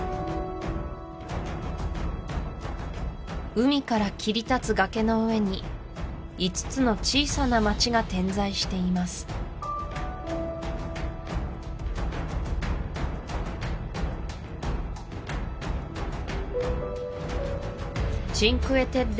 海から切り立つ崖の上に５つの小さな街が点在していますチンクエ・テッレ